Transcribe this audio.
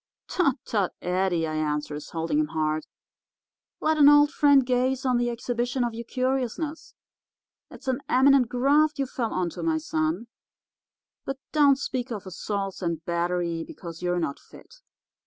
"'Tut, tut, Eddie,' I answers, holding him hard; 'let an old friend gaze on the exhibition of your curiousness. It's an eminent graft you fell onto, my son. But don't speak of assaults and battery, because you're not fit.